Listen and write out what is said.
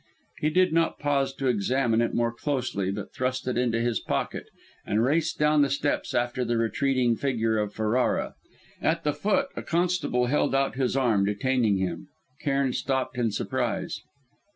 He did not pause to examine it more closely, but thrust it into his pocket and raced down the steps after the retreating figure of Ferrara. At the foot, a constable held out his arm, detaining him. Cairn stopped in surprise.